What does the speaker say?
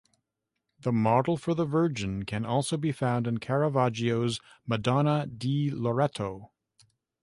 The model for the Virgin can also be found in Caravaggio's "Madonna di Loreto".